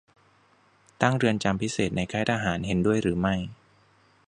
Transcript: ตั้งเรือนจำพิเศษในค่ายทหาร เห็นด้วยหรือไม่ ?